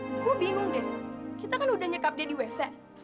aku bingung deh kita kan udah nyekap dia di wc